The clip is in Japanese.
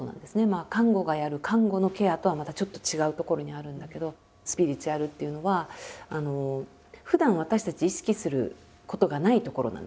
看護がやる看護のケアとはまたちょっと違うところにあるんだけどスピリチュアルっていうのはふだん私たち意識することがないところなんですね。